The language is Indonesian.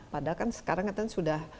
padahal kan sekarang katanya sudah